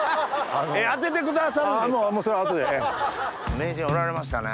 名人おられましたね